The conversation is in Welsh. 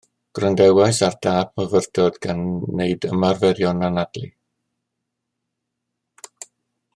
Gwrandawais ar dâp myfyrdod gan neud ymarferion anadlu